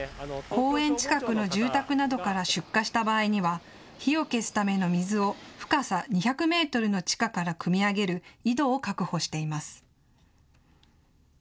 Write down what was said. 公園近くの住宅などから出火した場合には火を消すための水を深さ２００メートルの地下からくみ上げる井戸を確保しています。